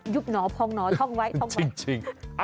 บหนอพองหนอท่องไว้ท่องไว้จริง